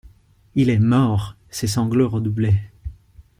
Il est mort ! Ses sanglots redoublaient.